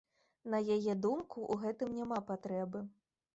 На яе думку, у гэтым няма патрэбы.